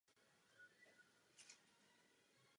Jeho středem bylo Malé náměstí.